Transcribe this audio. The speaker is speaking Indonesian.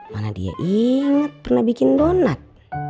mana dia inget pernah bikin donat